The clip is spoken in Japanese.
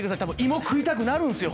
イモ食いたくなるんですよ